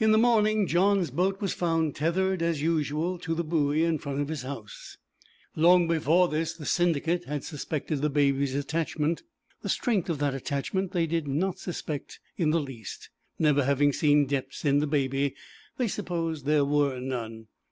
In the morning Johns' boat was found tethered as usual to the buoy in front of his house. Long before this the Syndicate had suspected the Baby's attachment. The strength of that attachment they did not suspect in the least; never having seen depths in the Baby, they supposed there were none.